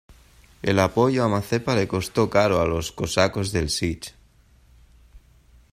El apoyo a Mazepa le costó caro a los cosacos del Sich.